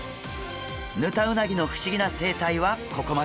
ヌタウナギの不思議な生態はここまで。